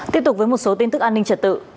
tiếp tục với một số tin tức an ninh trật tự